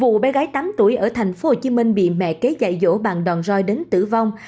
vụ bé gái tám tuổi ở tp hcm bị mẹ kế dạy dỗ bằng đòn roi đến tử vong